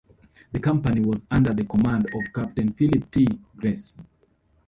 The company was under the command of Captain Philip T. Grace.